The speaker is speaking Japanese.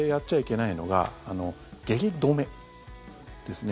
それから一番やっちゃいけないのが下痢止めですね。